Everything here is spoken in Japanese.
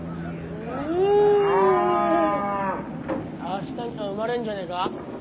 明日には生まれんじゃねえか？